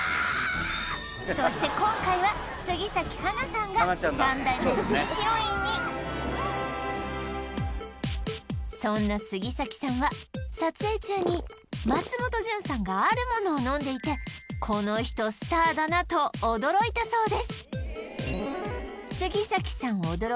そして今回は杉咲花さんが３代目新ヒロインにそんな杉咲さんは撮影中に松本潤さんがあるものを飲んでいてこの人スターだなと驚いたそうです